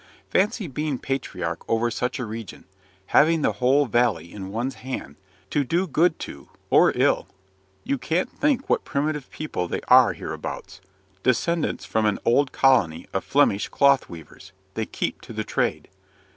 Fancy being patriarch over such a region, having the whole valley in one's hand, to do good to, or ill. You can't think what primitive people they are hereabouts descendants from an old colony of Flemish cloth weavers: they keep to the trade.